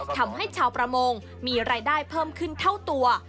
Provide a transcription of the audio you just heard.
ทำให้ชาวประมงมีรายได้เพิ่มขึ้นเท่าตัว